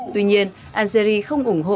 tuy nhiên algeria không ủng hộ